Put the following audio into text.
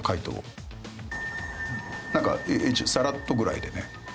なんかサラッとぐらいでね。